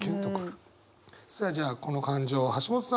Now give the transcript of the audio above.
さあじゃあこの感情橋本さん